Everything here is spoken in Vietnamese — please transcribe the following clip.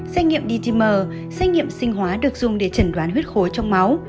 xét nghiệm dtm xét nghiệm sinh hóa được dùng để chẩn đoán huyết khối trong máu